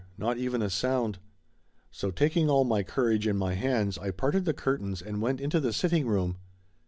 Not even a sound. So taking all my courage in my hands I parted the curtains and went into the sitting room.